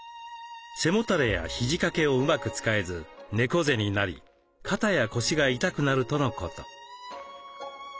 背もたれや肘かけをうまく使えず猫背になり肩や腰が痛くなるとのこと。